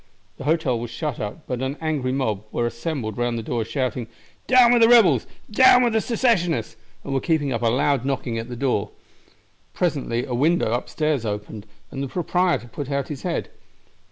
The hotel was shut up, but an angry mob were assembled round the door shouting, "Down with the rebels! down with the Secessionists!" and were keeping up a loud knocking at the door. Presently a window upstairs opened, and the proprietor put out his head.